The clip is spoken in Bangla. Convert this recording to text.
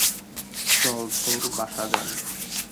চল তোর বাসা যাই।